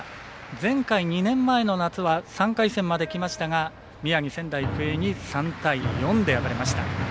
前回２年前の夏は３回戦まできましたが宮城・仙台育英に３対４で敗れました。